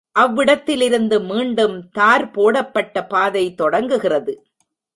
அவ்விடத்திலிருந்து மீண்டும் தார் போடப்பட்ட பாதை தொடங்குகிறது.